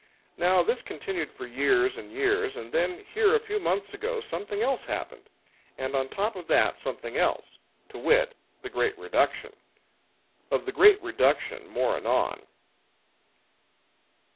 Now this continued for years and years, and then here a few months ago something else happened. And on top of that something else to wit: The Great Reduction. Of the Great Reduction more anon.